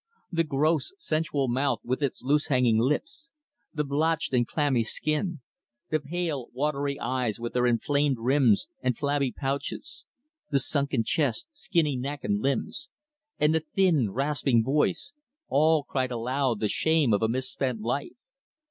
The gross, sensual mouth with its loose hanging lips; the blotched and clammy skin; the pale, watery eyes with their inflamed rims and flabby pouches; the sunken chest, skinny neck and limbs; and the thin rasping voice all cried aloud the shame of a misspent life.